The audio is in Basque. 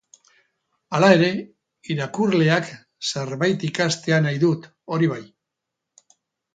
Hala ere, irakurleak zerbait ikastea nahi dut, hori bai.